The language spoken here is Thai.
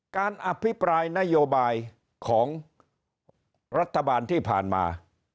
การอภิปรายนโยบายของรัฐบาลที่ผ่านมา